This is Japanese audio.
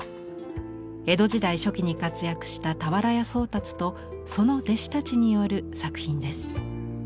江戸時代初期に活躍した俵屋宗達とその弟子たちによる作品です。